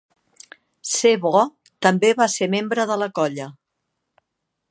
C-Bo també va ser membre de la colla.